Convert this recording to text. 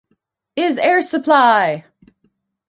Is Air Supply!